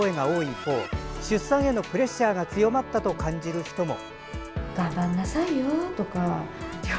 一方出産へのプレッシャーが強まったと感じる人も。